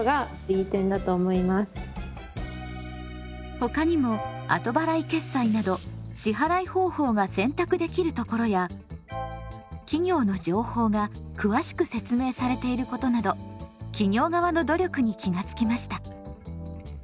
他にも後払い決済など支払い方法が選択できるところや企業の情報が詳しく説明されていることなど企業側の努力に気が付きました。